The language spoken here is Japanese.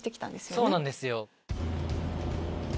そうなんですよ。